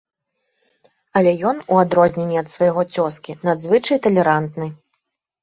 Але ён, у адрозненні ад свайго цёзкі, надзвычай талерантны.